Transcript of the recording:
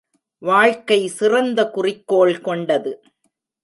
வாழ்க்கை சிறந்த குறிக்கோள் கொண்டது.